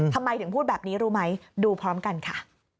ทำไมถึงพูดแบบนี้รู้ไหมดูพร้อมกันค่ะ